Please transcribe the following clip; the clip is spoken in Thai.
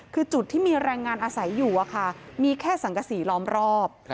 คือจุดที่มีแรงงานอาศัยอยู่มีแค่สังกษีล้อมรอบ